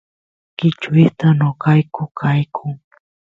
kichwistas noqayku kayku